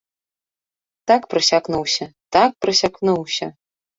Так прасякнуўся, так прасякнуўся.